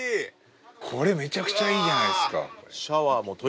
これめちゃくちゃいいじゃないですか。